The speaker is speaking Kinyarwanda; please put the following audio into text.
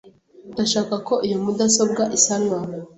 Ndashaka ko iyi mudasobwa isanwa .